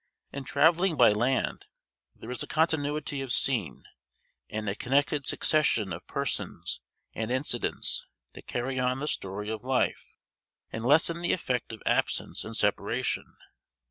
In travelling by land there is a continuity of scene, and a connected succession of persons and incidents, that carry on the story of life, and lessen the effect of absence and separation.